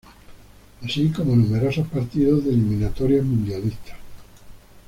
Así como numerosos partidos de eliminatorias mundialistas.